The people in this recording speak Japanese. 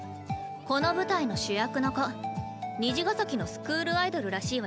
この舞台の主役の子虹ヶ咲のスクールアイドルらしいわよ。